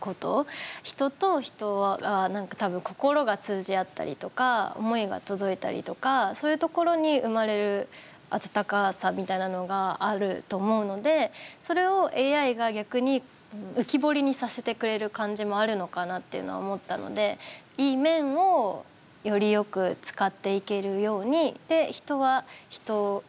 人と人は、心が通じ合ったりとか思いが届いたりとかそういうところに生まれる温かさみたいなのがあると思うので、それをＡＩが逆に浮き彫りにさせてくれる感じもあるのかなっていうのは思ったので、いい面をよりよく使っていけるように。